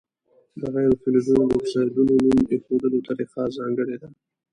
د غیر فلزونو د اکسایدونو نوم ایښودلو طریقه ځانګړې ده.